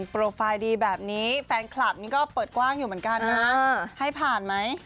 โปรไฟล์ดีแบบนี้แฟนคลับนี่ก็เปิดกว้างอยู่เหมือนกันนะให้ผ่านไหม